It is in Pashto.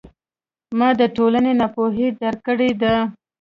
ما د ټولنې ناپوهي درک کړې ده.